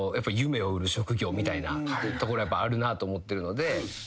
みたいなところやっぱあるなと思ってるので。